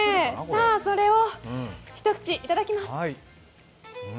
それを一口、いただきます。